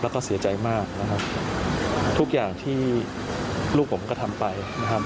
แล้วก็เสียใจมากทุกอย่างที่ลูกผมก็ทำไป